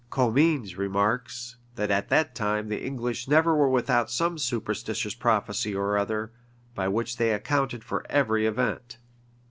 Comines remarks, that at that time the English never were without some superstitious prophecy or other, by which they accounted for every event.